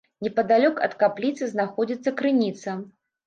Непадалёк ад капліцы знаходзіцца крыніца.